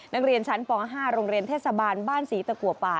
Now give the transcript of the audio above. นักเรียนชั้นป๕โรงเรียนเทศบาลบ้านศรีตะกัวป่า